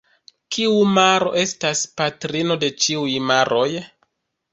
Kiu maro estas patrino de ĉiuj maroj?